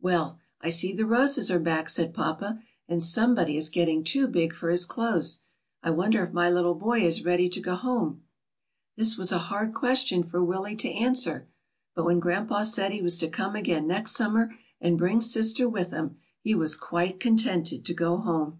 "Well, I see the roses are back,'^ said papa, "and somebody is getting too big for his clothes. I wonder if my little boy is ready to go home?^' This was a hard question for Willie to answer. But when grandpa said he was to come again next summer and bring sister with him, he was quite contented to go home.